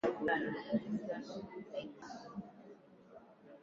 Gunia za makaa.